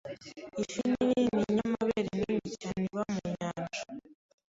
Ifi nini ninyamabere nini cyane iba mu nyanja.